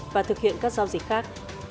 và thực hiện các giao dịch khác